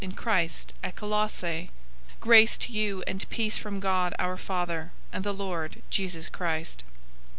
"} in Christ at Colossae: Grace to you and peace from God our Father, and the Lord Jesus Christ.